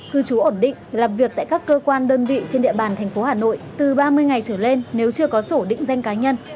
cư trú ổn định làm việc tại các cơ quan đơn vị trên địa bàn thành phố hà nội từ ba mươi ngày trở lên nếu chưa có sổ định danh cá nhân